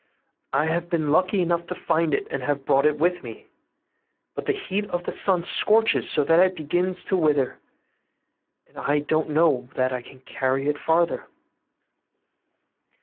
I have been lucky enough to find it, and have brought it with me; but the heat of the sun scorches so that it begins to wither, and I don't know that I can carry it farther.